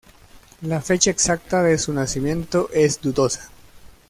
La fecha exacta de su nacimiento es dudosa.